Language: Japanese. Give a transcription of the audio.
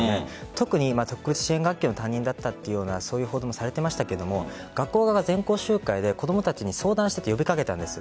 特に、特別支援学級の担任だったという話もされていましたが学校側は全校集会で子供たちに相談を呼びかけたんです。